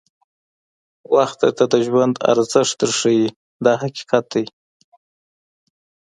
وخت درته د ژوند ارزښت در ښایي دا حقیقت دی.